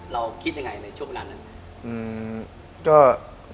เราคิดยังไงในช่วงเวลานั้น